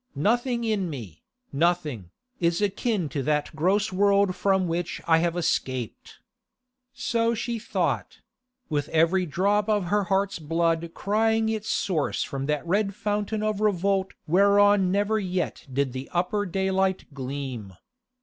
Nothing in me, nothing, is akin to that gross world from which I have escaped!' So she thought—with every drop of her heart's blood crying its source from that red fountain of revolt whereon never yet did the upper daylight gleam!